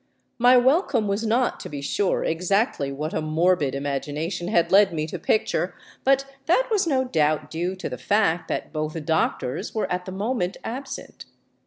My welcome was not, to be sure, exactly what a morbid imagination had led me to picture, but that was no doubt due to the fact that both doctors were at the moment absent.